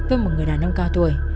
gá nghĩa với một người đàn ông cao tuổi